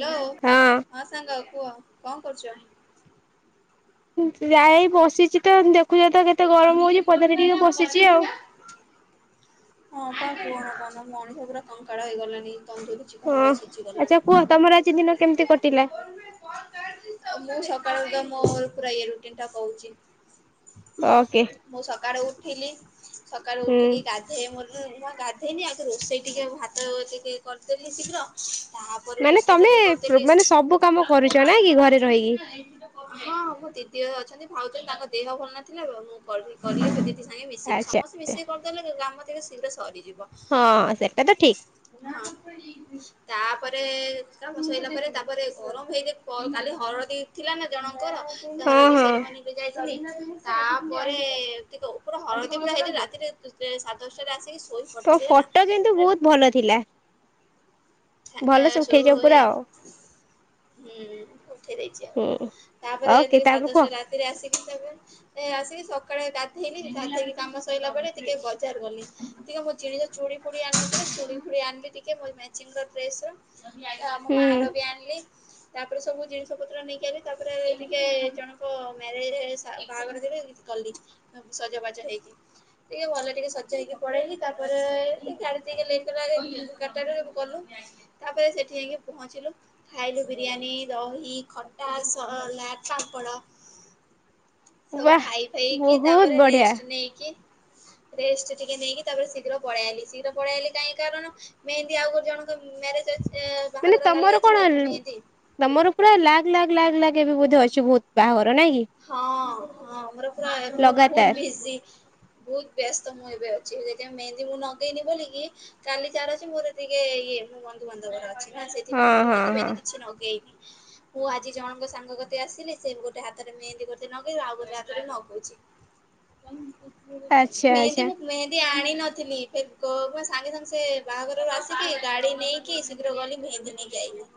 ହଁ ସାଙ୍ଗ କୁହ କଣ କରୁଚ? ଯାଇ ବସିଚିତ ଦେଖୁଛ ତ କେତେ ଗରମ ହଉଛି ପଦାରେ ଟିକେ ବସିଚି ଆଉ। ହଁ ପା କୁହନି କୁହନି ମଣିଷ ପୁରା କଙ୍କାଳ ହେଇଗଲାଣିି [unintelligible] ହଁ ଆଚ୍ଛା କୁହ ତମର ଆଜି ଦିନ କେମିତି କଟିଲା? ମୁଁ ସକାଳୁ ତ ମୋ ପୁରା ଇଏ ରୁଟିନ ଟା କହୁଛି। ଓକେ। ମୁଁ ସକାଳୁ ଉଠିଲି ସକାଳୁ ହୁଁ ଉଠିକି ଗା ହେ ମୋର ନଆ ଗାଧେଇନି ଆଗ ରୋଷେଇ ଟିକେ ଭାତ ଟିକେ କରିଦେଲି ଶୀଘ୍ର ତା ମାନେ ତମେ ମାନେ ସବୁ କାମ କରୁଚ ନା କି ଘରେ ରହିକି। ହଁ ହଁ ମଁ ଦିଦି ଅଛନ୍ତି ଭାଉଜ ତାଙ୍କ ଦେହ ଭଲ ନଥିଲା ମୁଁ କଲି କରିଲି ଦିଦି ସାଙ୍ଗେ ମିଶିକି ଆଚ୍ଛା ସମସ୍ତେ ମିଶିକି କରିଦେଲେ କାମ ଟିକେ ଶୀଘ୍ର ସରିଯିବ। ହଁ ସେଟା ତ ଠିକ୍। ହଁ ତାପରେ ତାକୁ ବସେଇଲା ପରେ ତାପରେ ଗରମ ହେ କାଲି ହଳଦୀ ଥିଲା ନା ଜଣଙ୍କର ସେ ହଁ ହରଦୀ ହଁ ସେରି ମନିରେ ଯାଇଥିଲି। ତାପରେ ଟିକେ ଉପର ହଳଦୀ ବୋଳା ହେଇକି ରାତିରେ ଶେ ସାଢ଼େ ଦଶଟାରେ ଆସିକି ଶୋଇ ତମ ପଡ଼ିଥିଲି ହେଲା। ଫଟୋ କିନ୍ତୁ ବହୁତ ଭଲ ଥିଲା। ଆ ଭଲସେ ସୋ ଉଠେଇଛ ଏ ପୁରା ଆଉ। ହୁଁ ଉଠେଇ ଦେଇଛି ଆଉ ହୁଁ ତାପରେ ଓକେ ଟିକେ ସାଢ଼େ ତାପରେ କୁହ ଦଶଟା ରାତିରେ ଆସିକି [unintelligible] ଆସିକି ସକାଳେ ଗାଧେଇଲି ଗାଧେଇକି କାମ ସଇଲା ପରେ ଟିକିଏ ବଜାର ଗଲି। ଟିକେ ମୋ ଜିନି ଚୁଡି ଫୁଡି ଆଣଲି ଟିକେ ଚୁଡି ଫୁଡି ଆଣିଲି ଟିକେ ମ ମିଆଁଚିଙ୍ଗ ର [unintelligible] ମୋ ହୁଁ ମାର ବି ଆଣିଲି। ତାପରେ ସବୁ ଜିନିଷ ପତ୍ର ନେଇକି ଆଇଲି ତାପରେ ଟିକିଏ ଜଣଙ୍କ ମ୍ୟାରେଜରେ ସା ବାହାଘର ଯିବି। କାଲି ସଜବାଜା ହେଇକି। ଟିକେ ଭଲ ଟିକେ ସଜ ହେଇକି ପଳେଇଲି ତାପରେ ଏ ଗାଡି ଟିକେ ଲେଟ [unintelligible] ଗଲୁ ତାପରେ ସେଠି ଆଇକି ପହଞ୍ଚିଲୁ। ଖାଇଲୁ ବିରିଆନି, ଦହି, ଖଟା ସଲାଟ୍, ପାମ୍ପଡ଼। ବା ସବୁ ଖାଇ ଫେଇକି ବହୁତ ତାପରେ ବଢିଆ ରେଷ୍ଟ ନେଇକି ରେଷ୍ଟ ଟିକେ ନେଇକି ତାପରେ ଶୀଘ୍ର ପଳେଆଇଲି, ଶୀଘ୍ର ପଳେଇଆଇଲି କାଇଁ କାରଣ ମେହେନ୍ଦି ଆଉ ଗୋର ଜଣ ତ ମ୍ୟାରେଜ୍ ଅଛିନା, ବାହାଘର କାଲି ଅଛି ନା ତ ମେହେନ୍ଦୀ ତୋମର ପୁରା ଲାଗ୍ ଲାଗ୍ ଲାଗ୍ ଲାଗ୍ ଏବେ ବୋଧେ ଅଛି ବହୁତ ବାହାଘର ନାଇଁ କି? ହଁ, ହଁ ମୋର ପୁରା ଫୁଲ୍ ଲଗାତାର। ବିଜି। ବହୁତ ବ୍ୟସ୍ତ ମୁଁ ଏବେ ଅଛି, ଯେତିକ ମେହେନ୍ଦୀ ମୁଁ ନଗେଇନି ବୋଲିକି କାଲି ଚାର ଅଛି ମୋର ଟିକେ ଇଏ ମୁଁ ବନ୍ଧୁବାନ୍ଧବର ଅଛି। ନା ସେଥିପାଇଁ ହଁ ମୁଁ ହଁ ମେହେନ୍ଦି ହଁ ଫେହେନ୍ଦି କିଛି ନଗେଇନି। ମୁଁ ଆଜି ଜଣଙ୍କ ସାଙ୍ଗ କତି ଆସିଲି ସେ ଗୋଟେ ହା ତରେ ମେହେନ୍ଦି ଗୋଟେ ନଗେଇଲା, ଆଉ ଗୋଟେ ହାତରେ ନଗଉଛି। ଆଚ୍ଛା ମେଏନ୍ଦି ଆଚ୍ଛା ମୁଁ ମେନ୍ ସିଏ ଆଣିନଥିଲି ସେ କୋ- ସାଙ୍ଗେ ସାଙ୍ଗେ ସେ ବାହାଘରରୁ ଆସିକି ଗାଡି ନେଇ କି ଶୀଘ୍ର ଗଲି ମେହେନ୍ଦି ନେଇକି ଆଇଲି।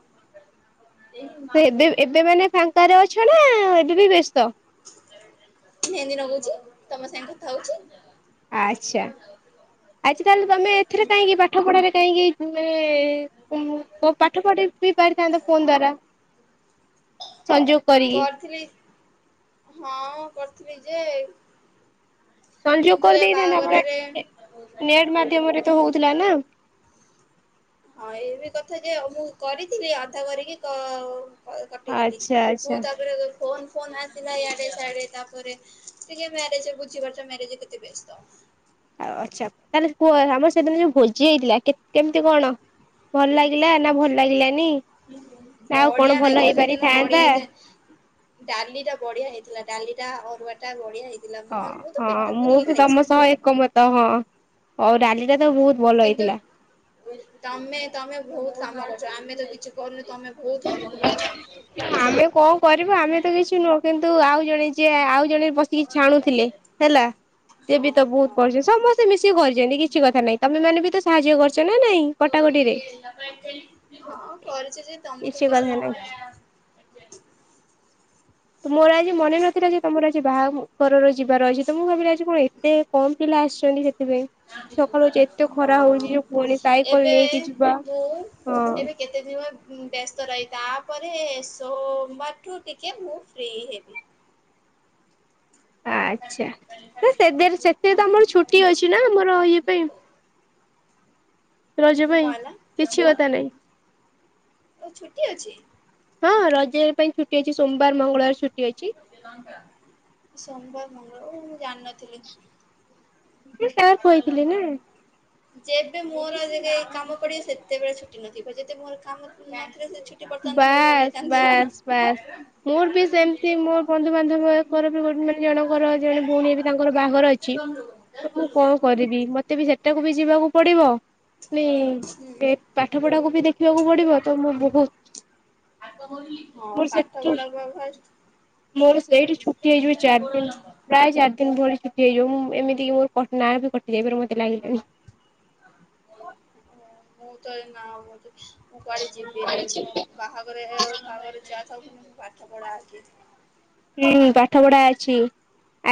ସେ ଏବେ ଏବେ ମାନେ ଫାଙ୍କାରେ ଅଛ ନା ଏବେ ବି ବ୍ୟସ୍ତ? ମେହେନ୍ଦି ନଗଉଛି, ତୋମ ସାଙ୍ଗେ କଥା ହଉଛି। ଆଚ୍ଛା, ଆଜିକାଲି ତୋମେ ଏଥିରେ କାହିଁକି ପାଠପଢ଼ାରେ କାହିଁକି ତୁମେ କୁମୁଆ କୋଉ ପାଠ ପଢି ବିି ପାରିଥାନ୍ତ ଫୋନ୍ ଦ୍ଵାରା। ସଂଯୋଗ କରିକି କରିଥିଲି ହଁ କରିଥିଲି ଯେ ସଂଯୋଗ କିନ୍ତୁ ଏ କରିଦେଇଥାନ୍ତେ ଆପଣ ବାହାଘରରେ ଏ ନେଟ୍ ମାଧ୍ୟମରେ ତ ହଉଥିଲା ନା। ହଁ ଏ ବି କଥା ଯେ ମୁଁ କରିଥିଲି ଅଧା କରିକି କ ଅ, କଟିଗଲି, ଆଚ୍ଛା ଆଚ୍ଛା। ମୁଁ ତାପରେ [unintelligible] ଫୋନ୍ ଫୋନୂ ଆସିଲା ଇଆଡେ ସିଆଡେ ତାପରେ ଟିକେ ମ୍ୟାରେଜ ବୁଝି ପାରୁଛ ମ୍ୟାରେଜ୍ ରେ କେତେ ବେସ୍ତ। ଆଉ ଆଚ୍ଛା ତାହେଲେ କୁଅ ଆମର ସେଦିନ ଯୋଉ ଭୋଜି ହେଇଥିଲା କେ-କେମିତି କଣ? ଭଲ ଲାଗିଲା ନା ଭଲ ଲାଗିଲାନି? ନା ଆଉ କଣ ବଢିଆ ଭଲ ନାଗିଲା ସେଦିନ ହେଇପାରିଥାନ୍ତା? ବଢିଆ ହେଇଥାଏ। ଡାଲି ଟା ବଢିଆ ହେଇଥିଲା ଡାଲି ଟା ଅରୁଆ ଟା ବଢିଆ ହେଇଥିଲା ହଁ ମ- ମୁଁ ତ ପେଟ ପୂରିକି ଖାଇଛି। ତ ହଁ, ଅ, ଡାଲିଟା ତ ବହୁତ ଭଲ ହେଇଥିଲା କିନ୍ତୁ ତୋମେ ତୋମେ ବହୁତ କାମ କରିଛ, ଆମେ ତ କିଛି କରୁନୁ ତୋମେ ବହୁତ କାମ କରିଛ। ଆମେ କଣ କରିବୁ ଆମେ ତ କିଛି ନୁହଁ, କିନ୍ତୁ ଆଉ ଜଣେ ଯିଏ, ଆଉ ଜଣେ ବସିକି ଛାଣୁଥିଲେ ହେଲା ସିଏ ବି ତ ବହୁତ କରିଛି, ସମସ୍ତେ ମିଶିକି କରିଚନ୍ତି, କିଛି କଥା ନାଇଁ, ତୋମେ ମାନ ବି ତ ସାହାଯ୍ୟ କରିଛ ନା ନାଇଁ। କଟାକଟି ରେ। ହଁ କରିଛି ଯେ ତୋମଠୁ କିଛି କେତେ କଥା ନାଇଁ କମ୍। ମୋର ଆଜି ମନେ ନଥିଲା ଯେ ତୋମର ଆଜି ବାହା ଘରର ଯିବାର ଅଛି, ତ ମୁଁ ଭାବିଲି ଆଜି କଣ ଏତେ କମ୍ ପିଲା ଆସିଛନ୍ତି ସେଥିପାଇଁ। ସକାଳୁ ଆଜି ଏତେ ହଁ ଖରା ହଉଛି ଯେ ପୁଣି ସାଇକଲ ଏବେ ନେଇକି ଯିବା ମୁଁ ହଁ। ଏବେ କେତେ ଯିବ ଉଁ, ବ୍ୟସ୍ତ ରହି, ତାପରେ ସୋମବାରଠୁରୁ ଟିକେ ମୁଁ ଫ୍ରି ହେବି। ଆଚ୍ଛା ତ ସେବେରେ ସେଥିରେ ତ ହୁଁ ଆମର ଛୁଟି ଅଛି ନା ଆମର ଇଏ ପାଇଁ। ରଜ ପାଇଁ କଣ ହେଲା କିଛି କଥା ନାଇଁ। ଓ ଛୁଟି ଅଛି? ହଁ ରଜ ପାଇଁ ଛୁଟି ଅଛି ସୋମବାର ମଙ୍ଗଳବାର ଛୁଟି ଅଛି। ସୋମବାର ମଙ୍ଗଳବାର ଓ ମୁଁ ଜାଣିନଥିଲି। ମୁଁ ସାର୍ କହିଥିଲି ନା [unintelligible] ଯେବେ ମୋର ଯେତେଳେ କାମ ପଡିବ ସେତେବେଳେ ଛୁଟି ନଥିବ, ଯେତେ ମୋର କାମ ଥିଲା ସେ ଛୁ ବାସ୍ ବାସ୍ ବାସ୍। ମୋର ବି ସେମିତି ମୋର ବନ୍ଧୁବାନ୍ଧବଙ୍କର ବି ଗୋ ମାନେ ଜଣଙ୍କର ଜଣେ ଭଉଣୀ ବି ତାଙ୍କର ବାହାଘର ଅଛି। କ ତ ମୁଁ [unintelligible] କଣ କରିବି ମତେ ବି ସେଟାକୁ ବି ଯିବାକୁ ପଡିବ। ନି ହୁଁ। ଏ ପାଠ ପଢାକୁ ବି ଦେଖିବାକୁ ପଡିବ ତ ମୁଁ ବହୁ ହଁ ପାଠ ସେଠୁ ପଢ଼ା ଫାଷ୍ଟ ମୋର ସେଇଠି ଛୁଟି ହେଇଯିବ ଚାରି ଦିନ [unintelligible] ପ୍ରାୟ ଚାରି ଦିନ ଭଳି ଛୁଟି ହେଇଯିବ ମୁଁ ଏମିତି କି ମୋରଁ କ ନା ବି କଟି ଯାଇ ପାରେ ମୋତେ ଲାଗିଲାଣିି। ମୁଁ ତ ଏଇନା ଆଉ ମୋତେ ମୁଁ କୁଆଡେ ଯିବିନି ବାହାଘର [unintelligible] ବାହାଘରେ ଯାଥାଉ ମୁଁ ପାଠ ପଢା ଆଗେ। ହୁଁ ପାଠ ପଢା ଅଛି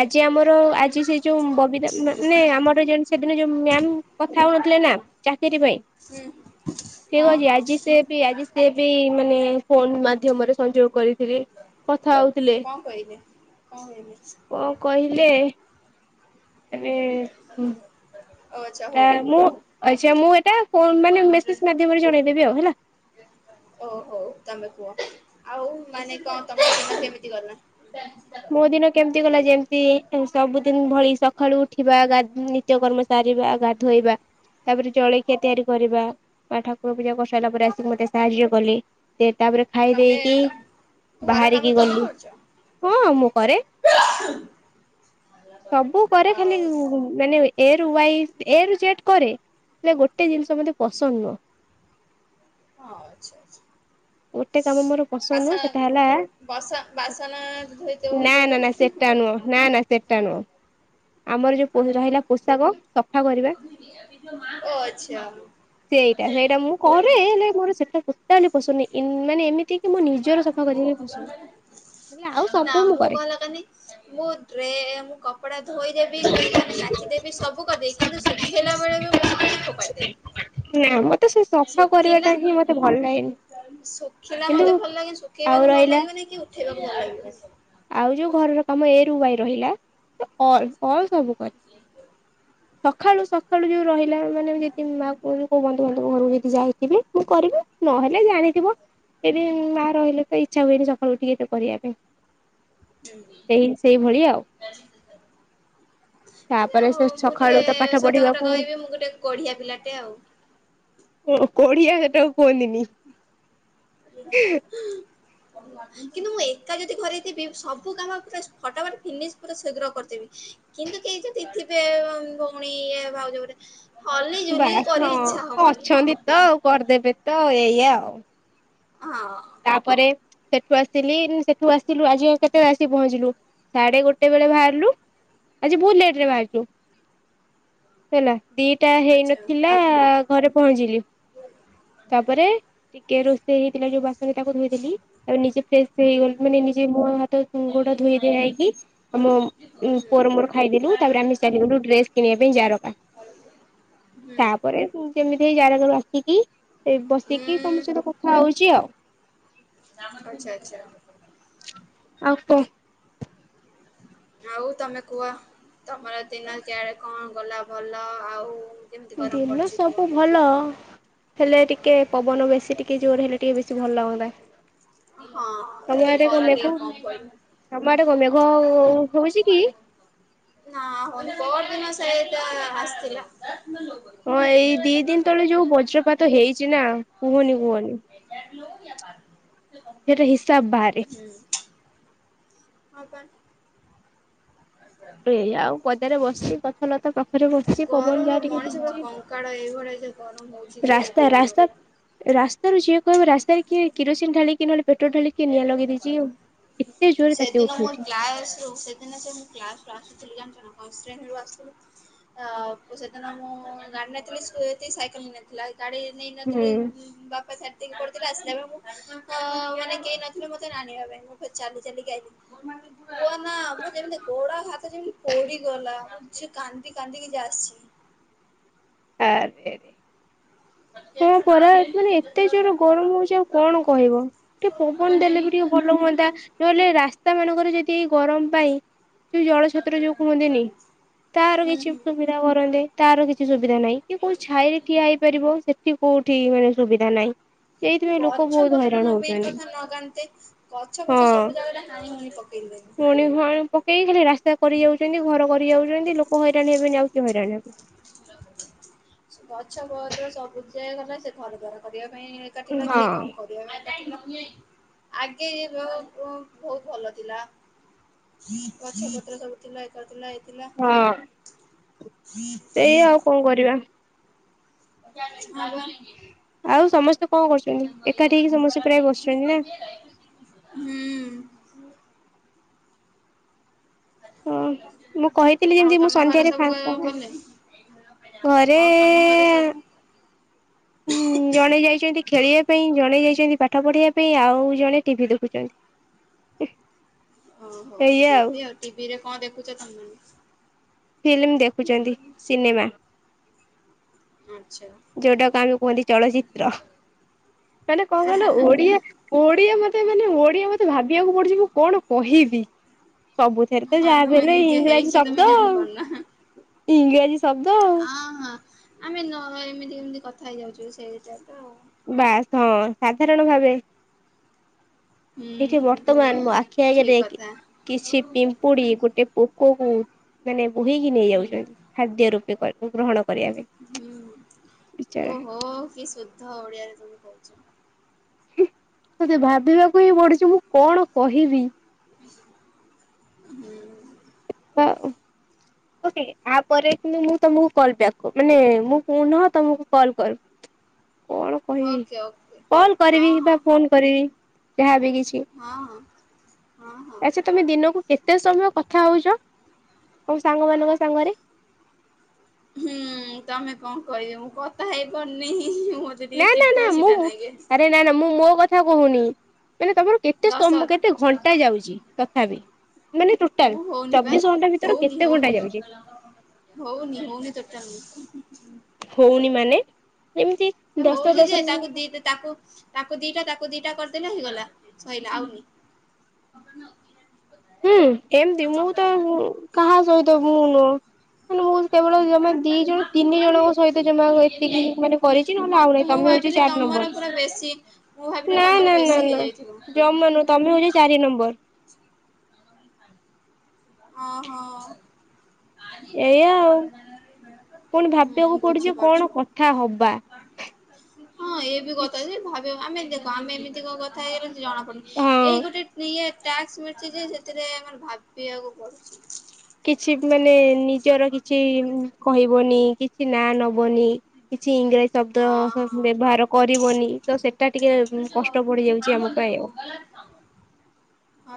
ଆଜି ଆମର ଆଜ ଯୁ ସେ ଯୋଉ ବବିତା ମା ମାନେ ଆମର ସେଦିନ ଯୋଉ ମ୍ୟାମ୍ କଥା ହଉନଥିଲେ ନା? ଚାକିରିପାଇଁ ହୁଁ ଠିକ୍ ହଁ ଅଛି ହଁ ଆଜି ସେ ବି ଆଜି ସେ ବି ମାନେ ଫୋନ୍ ମାଧ୍ୟମରେ ସଂଯୋଗ କରିଥିଲି କଥା ହଉଥିଲେ। କଣ କହିବି? କ କହିବି? କ କହିଲେ ରେ ଓ ଆଚ୍ଛା ଟା ହଉ ମୁଁ ହଉ ଆଛା ମୁଁ ଏଟା ଫୋ ମାନେ ମେସେଜ ମାଧ୍ୟମରେ ଜଣେଇଦେବି ଆଉ ହେଲା। ଓ ହଉ ତମେ କୁହ? ଆଉ ମାନେ କଣ ତମ କେମିତି ଗଲା? ମୋ ଦିନ କେମିତି ଗଲା ଯେମିତି ସବୁଦିନ ଭଳି ସକାଳୁ ଉଠିବା ଗା ନି ନିତ୍ୟ କର୍ମ ସରିବା ଗାଧୋଇବା। ତାପରେ ଜଳଖିଆ ତିଆରି କରିବା ମା ଠାକୁର ପୂଜା କରିସାରିଲା ପରେ ମତେ ଆସିିକି ମତେ ସାହାଯ୍ୟ କଲି। ସେ ତାପରେ ଖାଇ ତମେ ଦେଇେଇକି ତ ଘର କାମ ବାହାରିକି ତମେ ଗଲି। କରୁଛ ହଁ ମୁଁ କରେ ସବୁ କରେ ଆଉ ଖାଲି ଉ ମାନେ ଏ ରୁ ୱାଇ ଏ ର ଜେଟ କରେ ହେଲେ ଗୋଟେ ଜିନିଷ ମତେ ପସନ୍ଦ ନୁହଁ। ହଁ ଆଛା ଆଚ୍ଛା। ଗୋଟେ କାମ ମୋର ପସନ୍ଦ ନୁହଁ ବାସା ସେଟା ହେଲା ବସା ବାସନ ଧୋଇ ନା ଦଉଥିବ ନା ତ? ନା ସେଟା ନୁହଁ ନା ନା ସେଟା ନୁହଁ। ଆମର ଯୋଉ ପୋ ରହିଲାପୋଷାକ ସଫା କରିବା। ଓ ଆଚ୍ଛା ସେଇଟା ସେଇଟା ମୁଁ କରେ ହେଲେ ମୋର ସେଟା ତାଲେ ପଶୁନି ଇ ମାନେ ଏମିତି କି ମୋ ନିଜର ସଫା କରିବା ବି ପସନ୍ଦ। ହେଲେ ଆଉ ନା ସବୁ ମୁଁ କରେ କଗ ଲ କି [unintelligible] ମୁଁ ଡ୍ରେ ମୁଁ କ କପଡା ଧୋଇଦେବି ମାନେ କାଚି ଦେବି ସବୁ କରିଦେବି କିନ୍ତୁ ଶୁଖେଇଲା ବେଳେ ବି ମୁଁ ଶୁଖେଇବି ଫୋପାଡ଼ି ଦେବି। ନାଁମ୍। ଶୁଖିଲା ଶୁଖିଲା କିନ୍ତୁ ମତେ ଭଲ ଲାଗେନି ଆଉ ଶୁଖେଇବାକୁ ଭଲ ରହିଲା ଲାଗିବନ କି ଉ ଉଠେଇବାକୁ ଭଲ ଲାଗି ଆଉ ଯୋଉ ଘରକାମ ଏ ରୁୱାଇ ରହିଲା ଅଲ ଅଲ୍ ସବୁ [unintelligible] ସକାଳୁ ସକାଳୁ ଯୋଉ ରହିଲା ମାନେ ଯଦି ମା କୁ କୋଉ ବନ୍ଧୁ ବାନ୍ଧବ ଘରକୁ ଯଦି ଯାଇଥିବେ ମୁଁ କରିବି ନହେଲେ ଜାଣିଥିବ ଏବେ ମା ରହିଲେ ତ ଇଚ୍ଛା ହୁଏନି ସକାଳୁ ଟିକିଏ କରିବା ପାଇଁ। ହଁ [unintelligible] ସେ ସେଇଭଳି ଆଉ ତାପରେ ଆଉ ସେ ମୁଁ ସକାଳୁ ଟିକିଏ ତ ପାଠ ସତକତା ପଢିବାକୁ କହିବି ମୁଁ ଗୋଟାଏ କୋଢ଼ିଆ ପିଲାଟେ ଆଉ। ଓ କୋଢିଆ ସେଟାକୁ କୁହନ୍ତିନି। [unintelligible] କିନ୍ତୁ ମୁଁ ଏକା ଯଦି ଘରେ ଥିବି ସବୁ କାମ ପୁରା ଫଟାଫଟ ଫିନିସ ପୁରା ଶୀଘ୍ର କରିଦେବି। କିନ୍ତୁ କେହି ଯଦିଥିବେ ଭଉଣୀ ଇ ଭାଉଜମାନେ ବାସ୍ ହଁ ଅଛନ୍ତି ତ ଆଉ କରିଦେବେ ତ ଏଇଆ ଆଉ। ହଁ। ତାପରେ ସେଠୁ ଆସିଲି ସେଠୁ ଆସିଲୁ ଆଜି କେତେଳେ ଆସିିକ ପହଞ୍ଚିଲୁ? ସାଢେଗୋଟେ ବେଳେ ବାହାରିଲୁ। ଆଜି ବହୁତ ଲେଟରେ ହୁଁ ବାହାରିଛୁ ହେଲା ବି ଦିଟା ଆଚ୍ଛା ହୁଁ। ହେଇନଥିଲା ଘରେ ପହଞ୍ଚିଲି। ତାପରେ ଟିକିଏରୋଷେଇ ହେଇଥିଲା ଯୋଉ ବା ଧୋଇଦେଲି ଆଉ ନିଜେ ଫ୍ରେଶ ହେଇଗଲି ମାନେ ନିଜେ ମୁହଁ ହାତ ଗୋଡ ଧୋଇକିଆଇଲି। ମୋ ହୁଁ ହୁଁ ପୁଅର ମୋର ଖାଇଦେଲୁ ତାପରେ ଆମେ ସି ଡ୍ରେସ୍ କିଣିବା ପାଇଁ ଜାରକା ତାପରେ ଯେମିତି ହେଇ ଜାରକାରୁ ଆସିକି ସେଇ ବସିକି ତମ ଉଁ ସହିତ କଥା ହଉଛି ଆଉ। ଆଛା ଆଚ୍ଛା। ଆଉ କ? ଆଉ ତମେ କୁହ ତମର ଦିନ ସାରା କଣ ଗଲା ଭଲ ଆଉ। କେମିତି ଗରମ ଦିନ ପଡିଛି କୁହ? ସବୁ ଭଲ ହେଲେ ଟିକେ ପବନ ବେଶୀ ଟିକେ ଜୋର ହେଲେ ଟିକେ ବେଶୀ ଭଲ ହୁଅନ୍ତା। ହଁ ଖରା ଟିକେ କଣ କହିବୁ। ତମ ଆଡେ କଣ ମେଘ ହଉ ହଉଛି କି? ନାଁ ପହର ଦିନ ସେଇଟା ଆସିଥିଲା। ହଁ ଏଇ ଦି ଦିନ ତଳେ ଯୋଉ ବଜ୍ରପାତ ହେଇଛି ନା। କୁହନି କୁହନି [unintelligible] ସେଇଟା ହିସାବ ବାହାରେ [unintelligible] ହଁ ପା [unintelligible] ଏ ଆଉ ପଦାରେ ବସି ଗଛଲତା ପାଖରେ ବସିଛି ପବନ ଗରମର ଯାହା ଟିକେ ମଣିଷ ପୁରା ବହୁଛି କଙ୍କାଳ ଏଇଭଳିଆ ଯେ ଗରମ ହଉଛି ଯେ ରାସ୍ତା କୁହନା ରାସ୍ତା କୁହନା ରାସ୍ତାରୁ ଯିଏ କହିବ ରାସ୍ତାରେ କିଏ କିରୋସିନ ଢାଳିକି ନହେଲେ ପେଟ୍ରୋଲ ଢାଳିକି। କିଏ ନିଆଁ ଲଗେଇ ଦେଇଛି ଆଉ ଏତେ ଜୋରରେ ତାତି ଉଠଉଛି। କ [unintelligible] ଆଜି ନା ସାର୍ ମୁଁ କ୍ଳାସ୍ ରୁ ଆସୁଥିଲି ଜାଣିଲ ନା ବସ୍ ଷ୍ଟାଣ୍ଡ ରୁ ଆସୁଥିଲି। ଆ ସେଦିନ ମୁଁ ଗାଡି ନେଇଥିଲି ସାଇକେଲ ନଥିଲା। ଗାଡି ହୁଁ ନେଇନଥିଲି ବାପା ଶୋଇପଡିଥିଲେ ଆସିିଲାବେଳକୁ ହଁ ମାନେ କେହି ନଥିଲେ ମତେ ଆଣିବା ପାଇଁ ମୁଁ ଫେରେ ଚାଲି ଚାଲିଛି ଆଇଥିଲି କୁହ ନା ମୁଁ ଯେମତି ଗୋଡ। ଯେମିତି ପୋଡିଗଲା ସେ କାନ୍ଦି କାନ୍ଦିକି ଯା ଆସିଛି। [unintelligible] ହଁ ପରା ମାନେ ଏତେ ଜୋର ଗରମ ହଉଛି ଆଉ କଣ କହିବ। ଟିକେ ପବନ ଦେଲେ ବି ଟିକେ ଭଲ ହୁଅନ୍ତା ନହେଲେ ରାସ୍ତା ମାନଙ୍କରେ ଯଦି ଏ ଗରମ ପାଇଁ। ଯୋଉ ଜଳ ଛତ୍ର ଯୋଉ କୁହନ୍ତିନି ତାର ହୁଁ କିଛି ହୁଁ ସୁବିଧା କରନ୍ତେ ତାର କିଛି କିଛି ସୁବିଧା ନାହିଁ କି କୋଉ ଛାଇରେ ଠିଆ ହୋଇପାରିବ ସେଠି କୋଉଠି ମାନେ ସୁବିଧା ନାହିଁ। ଏଇଥିପାଇଁ ଲୋକ ଗଛ ବହୁତ ପତ୍ର ହଇରାଣ ମେନେ ହଉଛନ୍ତି କଥା ଲଗାନ୍ତେ। ଗଛ ପଛ ସବୁ ଜାଗାରେ ହାଣି ହୁଣି ପକେଇଲେଣି। [unintelligible] ପକେଇ ଖାଲି ରାସ୍ତା କରି ଯାଉଚନ୍ତି ଘର କରି ଯାଉଚନ୍ତି ଲୋକ ହଇରାଣ ହେବେନି ଆଉ କିଏ ହଇରାଣ ହେବେ। ଗଛ ପତ୍ର ସବୁ ଯେ ଗଲା ସେ ଘର ଦ୍ୱାର କରିବା ପାଇଁ କାଟିଲା କିଏ ହଁ। କଣ କରିବ। ଆଗେ ଏ [inaudible] ବହୁତ ଭଲ ଥିଲା। ଗଛ ପତ୍ର ସବୁଥିଲା ଏକାଥିଲା ହେଇଥିଲା। ହଁ। ସେଇ ଆଉ କଣ କରିବା। [inaudible] ଆଉ ସମସ୍ତେ କଣ କରୁଚନ୍ତି ଏକାଠି ହେଇକି ସମସ୍ତେ ପ୍ରାୟ ବସିଚନ୍ତି ନା। ହୁଁ। ହଁ ମୁଁ କହିଥିଲି ଆଉ ଯେମିତି ମୁଁ ତମ ଘରେ ସନ୍ଧ୍ୟାରେ ସବୁ ଫାଙ୍କା କହିବ ହେବି। ଭଲେ ଘରେ ଆଉ ତମ ଘରେ ସବୁ? ହୁଁ ଜଣେ ଯାଇଚନ୍ତି ଖେଳିବା ପାଇଁ ଜଣେ ଯାଇଚନ୍ତି ପାଠ ପଢିବା ପାଇଁ ଆଉ ଜଣେ ଟିଭି ଦେଖୁଚନ୍ତି। ଓହୋ ଟିଭି ଆଉ ଟିଭିରେ କଣ ଦେଖୁଚ ତମେମାନେ? ଫିଲ୍ମ ଦେଖୁଚନ୍ତି ସିନେମା। ଆଚ୍ଛା। ଯୋଉଟାକୁ ଆମେ କୁହନ୍ତି ଚଳଚିତ୍ର ମାନେ କଣ କହିଲ ଓଡିଆ ଓଡିଆ ମତେ ମାନେ ଓଡିଆ ମତେ ଭାବିବାକୁ ପଡୁଚି ମୁଁ କଣ କହିବି? ସବୁଥିରେ ତ ହଁ ତମେ ଯାହାବିହେଲେ ନିଜେ ଇଂରାଜୀ ହେଇକି ତମେ ଶବ୍ଦ ଆଉ ଜାଣିପାରୁନା। ଇଂରାଜୀ ଶବ୍ଦ। ଆଉ। ହଁ ହଁ ଆମେ ନ ଏମିତି ଏମିତି କଥା ହେଇଯାଉଚୁ ସେଇଟା ତ। ବାସ୍ ହଁ ସାଧାରଣ ଭାବେ ହୁଁ ଏଇଠି ହୁଁ ବର୍ତ୍ତମାନ ମୋ ଆଖି ଆଗରେ ଠିକ କଥା କିଛି ପିମ୍ପୁଡି ଗୋଟେ ପୋକକୁ ମାନେ ବୋହିକି ନେଇଯାଉଚନ୍ତି ଖାଦ୍ୟ ରୂପେ କ ଗ୍ରହଣ କରିବା ପାଇଁ ହୁଁ ବିଚରା। ଓହୋ କି ସୁଦ୍ଧ ଓଡିଆରେ ତମେ କହୁଚ। ମତେ ଭାବିବାକୁ ହିଁ ପଡୁଚି ମୁଁ କଣ କହିବି? ହୁଁ। [unintelligible] ଓକେ ଆ ପରେ କିନ୍ତୁ ମୁଁ ତମକୁ କଲ ବ୍ୟାକ କ ମାନେ ମୁଁ ପୁନଃ ତମକୁ କଲ୍ କର [inaudible] କହିବି ଓକେ କଲ କରିବି ହଁ ହଁ ବା ଫୋନ କରିବି ଏହାବି କିଛି ହଁଅଁ। ଆଚ୍ଛା ତମେ ଦିନକୁ କେତେ ସମୟ କଥା ହଉଚ ତମ ସାଙ୍ଗ ମାନଙ୍କ ସାଙ୍ଗରେ? ହୁଁ ତମେ କଣ କହିବ ମୁଁ କଥା ହେଇପାରୁନେଇଁ ଯେତିକି ଚିଡା ଚିଡା ନାଗେ। ଏ ନା ନା ମୁଁ ମୋ କଥା କହୁନି ମାନେ ତମର କେତେ ଦଶ ସମ କେତେ ଘଣ୍ଟା ଯାଉଚି ତଥାପି? ମାନେ ମୁଁ ଟୋଟାଲ ହଉନି ବା ଚବିଶ ଘଣ୍ଟା ଭିତରେ ହଉନି କେତେ ହଉନି। ଘଣ୍ଟା ଯାଉଚି? ହଉନି ହଉନି ଟୋଟାଲ ହଉନି ମାନେ ଏମିତି ହଉଚି ଯେ ତାକୁ ଦି ତାକୁ ତାକୁ ଦିଟା ତାକୁ ଦିଟା କରିଦେଲେ ହେଇଗଲା ସରିଲା ଆଉନି। [inaudible] ହୁଁ ଏମତି ମୁଁ ତ କାହା ସହିତ ମୁଁ ନୁହ ମନେ ମୁଁ କେବଳ ଜମା ଦି ଜଣ ତିନି ଜଣଙ୍କ ସହିତ ଜମା ଏତିକି ମାନେ କରିଚି ନହେଲେ ଆଉ ମତେ ନାହିଁ ମୁଁ ତମେ ଭାବିଲି ଚାରି ନମ୍ବର ତମର ପୁରା ବେଶୀ ମୁୁ ଭାବିଲି ନା ତମର ନା ନା ବେଶୀ ନା ହେଇଯାଇଥିବ। ଜମା ନୁହଁ ତମେ ହଉଚ ଚାରି ନମ୍ବର। ହଁ ହଁ। ଏଇଆ ଆଉ ପୁଣି ଭାବିବାକୁ ହୁଁ ପଡୁଛି ବୁଝି କଣ ପାରୁଛୁ। କଥା ହବା। ହଁ ଏ ବି କଥା କିଛି ଭାବିବା ଆମେ ଆମେ ଏମିତି କଣ କଥା ହେଇ ଜଣାପଡୁନି ହଁ ଏଇ ଗୋଟେ ଇଏ ଟାସ୍କ ମିଳଛି ଯେ ସେଥିରେ ମେ ଭାବ ବିଇବାକୁ ପଡୁଛି। କିଛି ମାନେ ନିଜର କିଛି କହିବନି କିଛି ନାଁ ନବନି। କିଛି ଇଂରାଜୀ ଶବ୍ଦ ହଁ ବ୍ୟବହାର କରିବନି ତ ସେଟା ଟିକେ କଷ୍ଟ ଷ୍ଟ ବଢିଯାଉଛି ଆମ ପାଇଁ ଆଉ। ହଁ